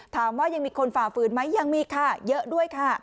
ถามว่ายังมีคนฝ่าฝืนไหมยังมีค่ะเยอะด้วยค่ะ